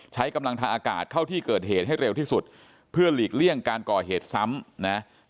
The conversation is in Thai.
ใช้กำลังทางอากาศเข้าที่เกิดเหตุให้เร็วที่สุดเพื่อหลีกเลี่ยงการก่อเหตุซ้ำนะ